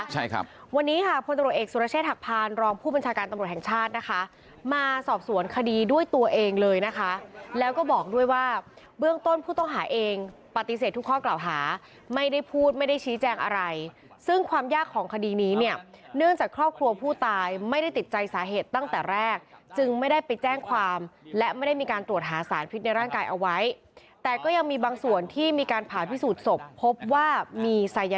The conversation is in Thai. ใช่ครับวันนี้ค่ะพลตรเอกสุรเชษฐกพรรณรองค์ผู้บัญชาการตำรวจแห่งชาตินะคะมาสอบสวนคดีด้วยตัวเองเลยนะคะแล้วก็บอกด้วยว่าเบื้องต้นผู้ต้องหาเองปฏิเสธทุกข้อเกล่าหาไม่ได้พูดไม่ได้ชี้แจงอะไรซึ่งความยากของคดีนี้เนี่ยเนื่องจากครอบครัวผู้ตายไม่ได้ติดใจสาเหตุตั้งแต่แรกจึงไม่ได้ไปแจ้งความและไม